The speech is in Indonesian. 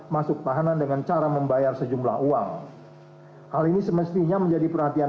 masuk tahanan dengan cara membayar sejumlah uang hal ini semestinya menjadi perhatian